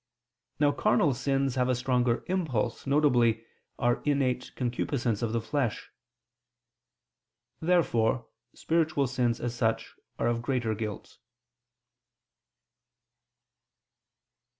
Now carnal sins have a stronger impulse, viz. our innate concupiscence of the flesh. Therefore spiritual sins, as such, are of greater guilt.